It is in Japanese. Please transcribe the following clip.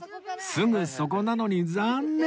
すぐそこなのに残念